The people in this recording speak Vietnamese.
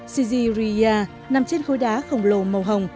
sijiriya nằm trên khối đá khổng lồ màu hồng